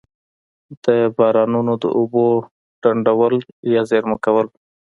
د بارانونو د اوبو ډنډول یا زیرمه کول.